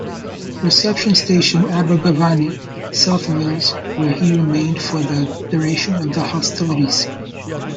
Reception Station, Abergavenny, South Wales where he remained for the duration of the hostilities.